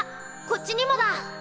こっちにもだ！